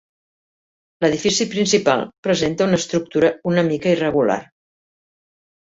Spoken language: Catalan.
L'edifici principal presenta una estructura una mica irregular.